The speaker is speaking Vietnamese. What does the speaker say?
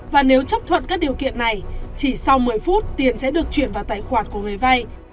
và nếu chấp thuận các điều kiện này chỉ sau một mươi phút tiền sẽ được chuyển vào tài khoản của người vay